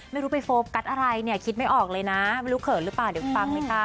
ไม่รู้ไปโฟกัสอะไรเนี่ยคิดไม่ออกเลยนะไม่รู้เขินหรือเปล่าเดี๋ยวฟังเลยค่ะ